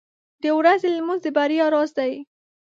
• د ورځې لمونځ د بریا راز دی.